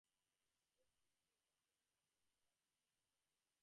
Both creeks flow southeast toward the Delaware River.